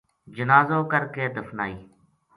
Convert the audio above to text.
جنازو کرکے دفنائی